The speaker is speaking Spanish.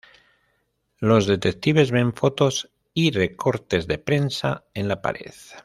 Los detectives ven fotos y recortes de prensa en la pared.